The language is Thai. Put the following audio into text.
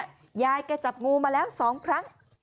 ยายแกจับงูมาแล้ว๒ครั้ง